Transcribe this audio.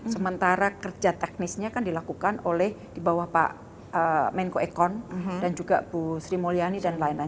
sementara kerja teknisnya kan dilakukan oleh di bawah pak menko ekon dan juga bu sri mulyani dan lain lain